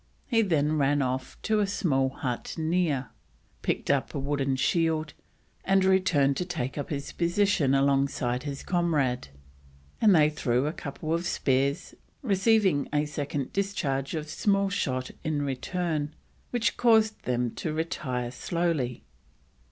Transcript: He then ran off to a small hut near, picked up a wooden shield, and returned to take up his position alongside his comrade, and they threw a couple of spears, receiving a second discharge of small shot in return, which caused them to retire slowly.